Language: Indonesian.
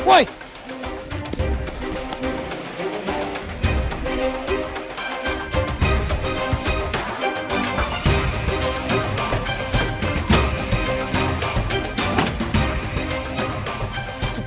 ui kok kan